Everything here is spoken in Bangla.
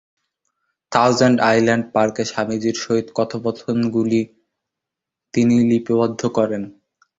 থাউজ্যাণ্ড আইল্যাণ্ড পার্কে স্বামীজীর সহিত কথোপকথনগুলি তিনি লিপিবদ্ধ করেন।